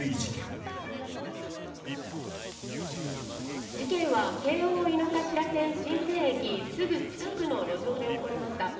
事件は京王井の頭線神泉駅すぐ近くの路上で起こりました。